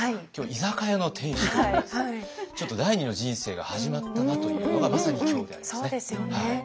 今日居酒屋の店主ということでちょっと第２の人生が始まったなというのがまさに今日でありますね。